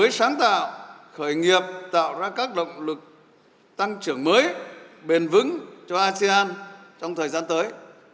với sáng tạo khởi nghiệp tạo ra các động lực tăng trưởng mới bền vững cho asean trong thời gian tới